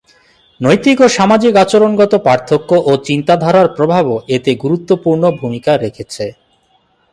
নৈতিক ও সামাজিক আচরণগত পার্থক্য ও চিন্তাধারার প্রভাবও এতে গুরুত্বপূর্ণ ভূমিকা রেখেছে।